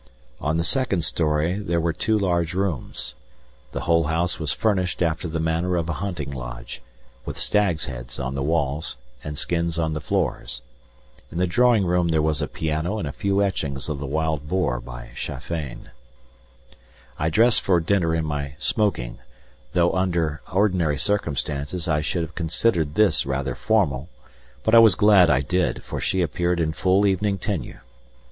On the second story there were two large rooms. The whole house was furnished after the manner of a hunting lodge, with stags' heads on the walls, and skins on the floors. In the drawing room there was a piano and a few etchings of the wild boar by Schaffein. I dressed for dinner in my "smoking," though under ordinary circumstances I should have considered this rather formal, but I was glad I did, for she appeared in full evening tenue.